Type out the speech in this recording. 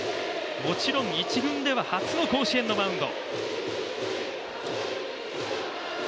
もちろん１軍では初の甲子園のマウンド。